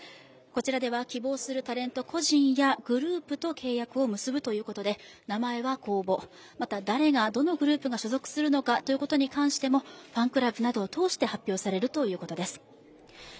こちらでは希望するタレント個人、グループと契約するということで名前は公募、また誰がどのグループが所属するのかということに関してもファンクラブなどを通して発表されるということです。